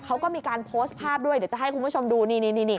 เขาก็มีการโพสต์ภาพด้วยเดี๋ยวจะให้คุณผู้ชมดูนี่